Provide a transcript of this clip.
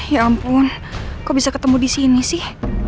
ya ampun kok bisa ketemu disini sih